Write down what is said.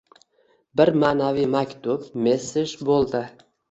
bir ma’naviy maktub-messej bo‘ldi.